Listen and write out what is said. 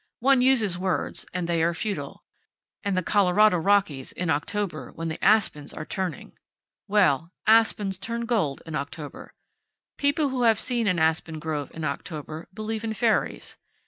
One uses words, and they are futile. And the Colorado Rockies, in October, when the aspens are turning! Well, aspens turn gold in October. People who have seen an aspen grove in October believe in fairies.